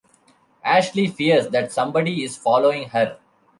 Ashley fears that somebody is following her.